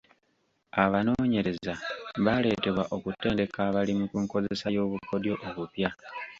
Abanoonyereza baaleetebwa okutendeka abalimi ku nkozesa y'obukodyo obupya.